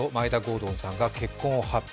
敦さんが結婚を発表。